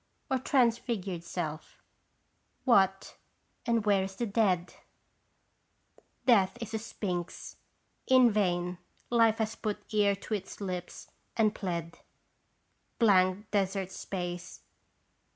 Or transfigured self ? What and where is the dead ? Death is a sphinx, in vain Life has put ear to its lips and pled Blank desert space